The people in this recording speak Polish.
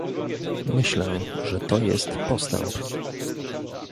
Myślę, że to jest postęp